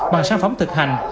bằng sản phẩm thực hành